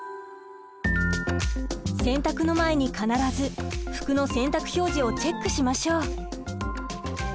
洗濯の前に必ず服の洗濯表示をチェックしましょう。